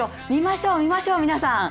見ましょう、見ましょう、皆さん。